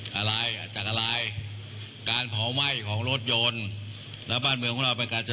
ประชุมของพวกเราใจในเรื่องของยาวพลังษอรุน